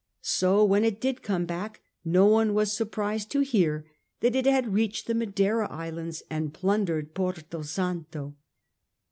So when it did come back no one was surprised to hear that it had reached the Madeira Islands and plundered Porto Santo.